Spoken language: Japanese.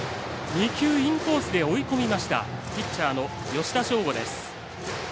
２球、インコースで追い込んだピッチャーの吉田匠吾です。